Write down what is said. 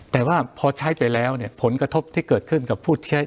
แต่ว่าพอใช้ไปแล้วเนี่ยผลกระทบที่เกิดขึ้นกับผู้ใช้